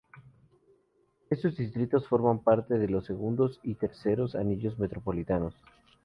Estos distritos forman parte de los segundos y terceros anillos metropolitanos.